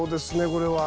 これは。